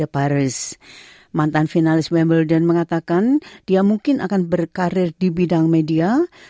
berita terkini mengenai penyelidikan covid sembilan belas di indonesia